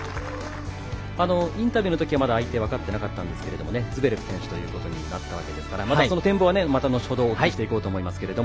インタビューのときはまだ相手は分かっていなかったんですけれどもズベレフ選手ということになったわけですから、その展望は後ほどお聞きしていこうと思います。